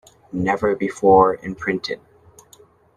Never before Imprinted.